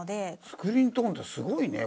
スクリーントーンってすごいね。